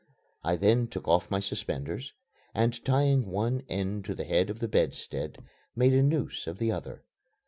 I then took off my suspenders, and tying one end to the head of the bedstead, made a noose of the other.